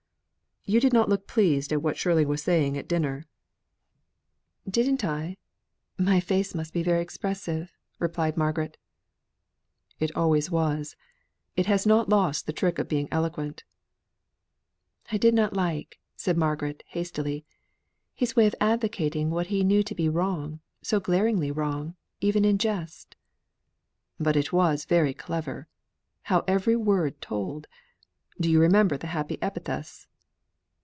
"You did not look pleased at what Shirley was saying at dinner." "Didn't I? My face must be very expressive," replied Margaret. "It always was. It has not lost the trick of being eloquent." "I did not like," said Margaret, hastily, "his way of advocating what he knew to be wrong so glaringly wrong even in jest." "But it was very clever. How every word told! Did you remember the happy epithets?"